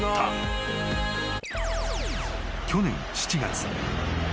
［去年７月。